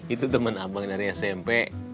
itu teman abang dari smp